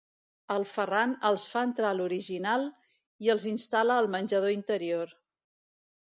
El Ferran els fa entrar a l'Horiginal i els instal·la al menjador interior.